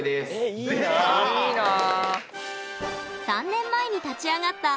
いいなあ。